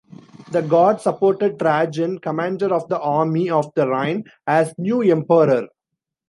The Guard supported Trajan, commander of the Army of the Rhine, as new emperor.